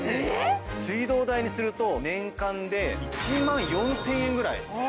水道代にすると年間で１万４０００円ぐらい。